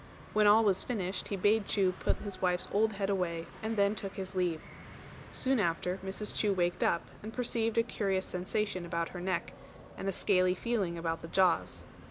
When all was finished, he bade Chu put his wife's old head away, and then took his leave. Soon after Mrs. Chu waked up, and perceived a curious sensation about her neck, and a scaly feeling about the jaws.